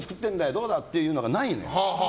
どうだ？っていうのがないのよ。